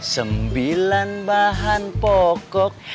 sembilan bahan pokok